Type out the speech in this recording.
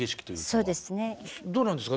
そうですね。